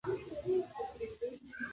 واوره د افغانستان د سیلګرۍ یوه ښه برخه ده.